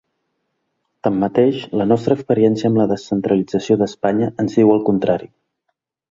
Tanmateix, la nostra experiència amb la descentralització d’Espanya ens diu el contrari.